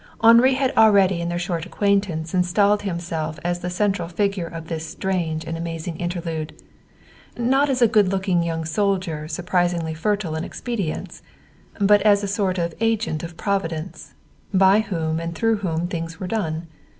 Henri had already in their short acquaintance installed himself as the central figure of this strange and amazing interlude not as a good looking young soldier surprisingly fertile in expedients, but as a sort of agent of providence, by whom and through whom things were done.